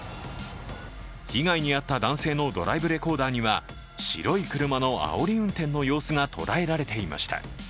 被害に遭った男性のドライブレコーダーには白い車のあおり運転の様子が捉えられていました。